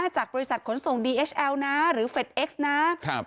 จากบริษัทขนส่งดีเอสแอลนะหรือเฟสเอ็กซ์นะครับ